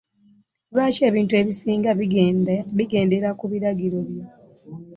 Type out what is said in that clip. Lwaki ebintu ebisinga bigendera ku biragiro byo?